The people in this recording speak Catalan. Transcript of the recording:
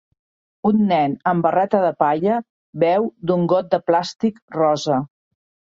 Un nen amb barreta de palla beu d'un got de plàstic rossa